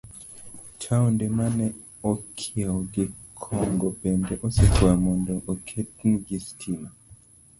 Taonde ma ne okiewo gi Congo bende osekwayo mondo oketnegi sitima.